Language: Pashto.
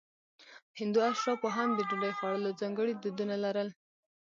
هندو اشرافو هم د ډوډۍ خوړلو ځانګړي دودونه لرل.